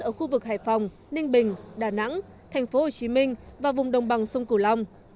ở khu vực hải phòng ninh bình đà nẵng thành phố hồ chí minh và vùng đồng bằng sông cửu long